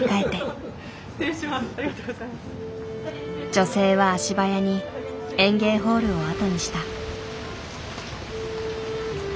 女性は足早に演芸ホールをあとにした。